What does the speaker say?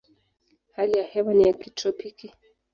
Hali ya hewa ni ya kitropiki.